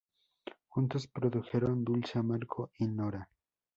Juntos produjeron "Dulce amargo" y "Nora".